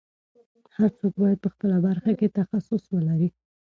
هر څوک باید په خپله برخه کې تخصص ولري.